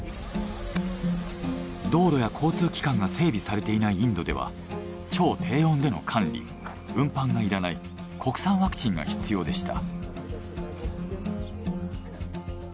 道路や交通機関が整備されていないインドでは超低温での管理運搬がいらない国産ワクチンが必要でした。